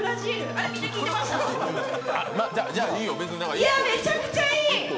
あれ、めちゃくちゃいい！